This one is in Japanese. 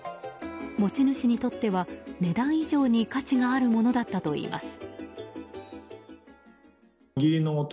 持ち主にとっては値段以上に価値があるものだったといいます。